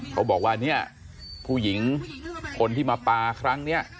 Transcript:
เขาบอกว่าเนี่ยผู้หญิงคนที่มาปลาครั้งนี้